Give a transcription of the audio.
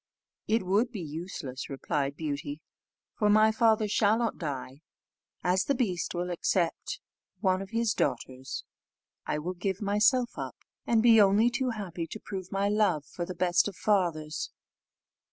"It would be useless," replied Beauty, "for my father shall not die. As the beast will accept of one of his daughters, I will give myself up, and be only too happy to prove my love for the best of fathers."